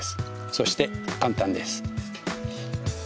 そして簡単です。